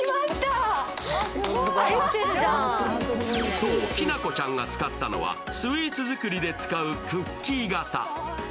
そう、きなこちゃんが使ったのはスイーツ作りで使うクッキー型。